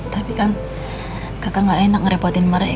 tapi kan kakak gak enak ngerepotin mereka